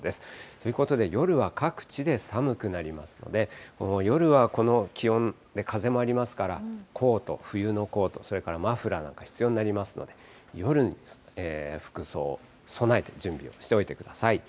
ということで、夜は各地で寒くなりますので、夜はこの気温で風もありますから、コート、冬のコート、それからマフラーなんか必要になりますので、夜に服装、備えて準備をしておいてください。